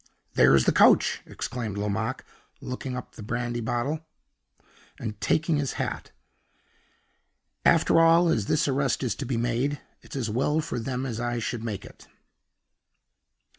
"There's the coach!" exclaimed Lomaque, locking up the brandy bottle, and taking his hat. "After all, as this arrest is to be made, it's as well for them that I should make it."